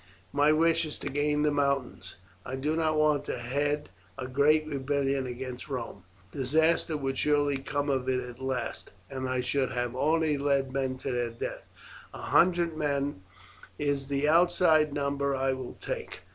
My wish is to gain the mountains. I do not want to head a great rebellion against Rome disaster would surely come of it at last, and I should have only led men to their death. A hundred men is the outside number I will take.